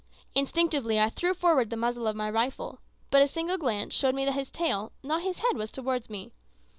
Instinctively I threw forward the muzzle of my rifle; but a single glance showed me that his tail, not his head, was towards me.